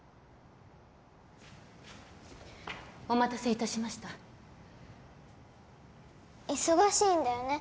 お待たせいたしました忙しいんだよね？